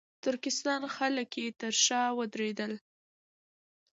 ترکستان خلک یې تر شا ودرېدل.